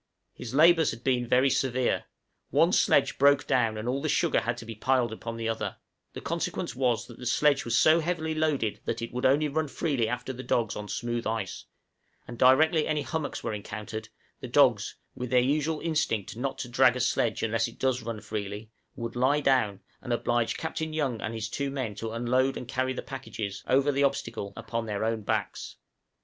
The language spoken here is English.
His labors had been very severe; one sledge broke down and all the sugar had to be piled upon the other: the consequence was that the sledge was so heavily loaded that it would only run freely after the dogs on smooth ice; and directly any hummocks were encountered, the dogs, with their usual instinct, not to drag a sledge unless it does run freely, would lie down, and oblige Captain Young and his two men to unload and carry the packages, over the obstacle, upon their own backs.